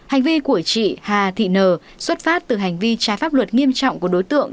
hành vi của chị hà thị nờ xuất phát từ hành vi trái pháp luật nghiêm trọng của đối tượng